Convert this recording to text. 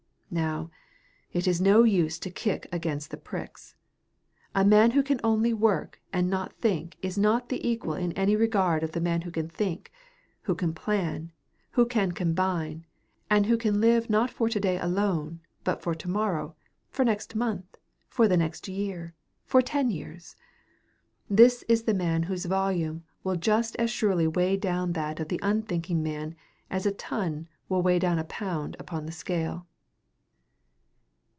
Now, it is no use to kick against the pricks. A man who can only work and not think is not the equal in any regard of the man who can think, who can plan, who can combine, and who can live not for to day alone, but for to morrow, for next month, for the next year, for ten years. This is the man whose volume will just as surely weigh down that of the unthinking man as a ton will weigh down a pound in the scale.